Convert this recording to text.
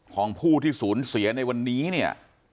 ของผู้ที่ศูนย์เสียในวันนี้